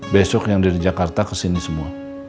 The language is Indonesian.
besok yang dari jakarta kesini semua